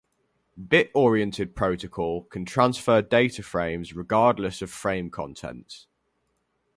Bit oriented protocol can transfer data frames regardless of frame contents.